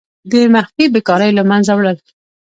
د مخفي بیکاریو له منځه وړل.